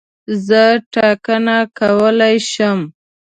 زه ټاکنه کولای شم.